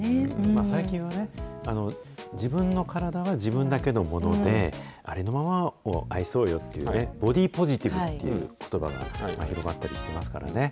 最近はね、自分の体は自分だけのもので、ありのままを愛そうよっていうね、ボディポジティブということばが広まったりしてますしね。